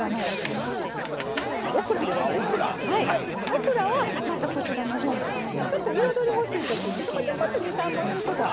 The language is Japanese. オクラはまたこちらのほうもですねちょっと彩り欲しい時にちょこちょこっと２３本いることあるじゃないですか。